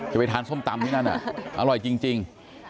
ไปทานส้มตำที่นั่นอร่อยจริง